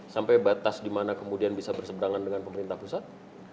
sampai batas di mana kemudian bisa berseberangan dengan pemerintah pusat